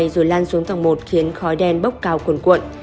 rồi lan xuống tầng một khiến khói đen bốc cao cuồn cuộn